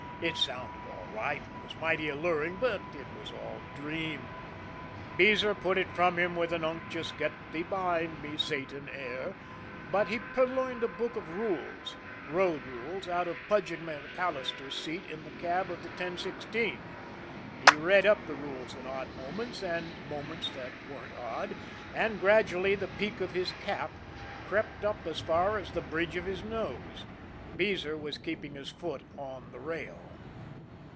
It sounded all right, and was mighty alluring, but it was all dream. Beezer put it from him with an unctuous, get thee behind me Satan air, but he purloined a book of "rules" road rules out of Pudgy MacAllister's seat in the cab of the 1016. He read up the rules at odd moments, and moments that weren't odd and gradually the peak of his cap crept up as far as the bridge of his nose. Beezer was keeping his foot on the rail.